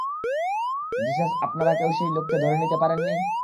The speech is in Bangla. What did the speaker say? জিসাস আপনারা কেউ সেই লোককে ধরতে পারেননি?